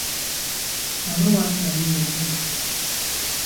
I no want am me again.